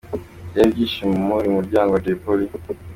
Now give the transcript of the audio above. Byari ibyishimo muri uyu muryango wa Jay Polly.